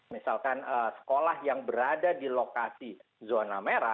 misalkan sekolah yang berada di lokasi zona merah